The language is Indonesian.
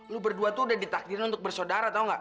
lo berdua tuh udah ditakdirin untuk bersaudara tau gak